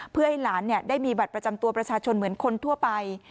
เพื่อให้หลานได้มีบัตรประจำตัวประชาชนเหมือนคนทั่วไป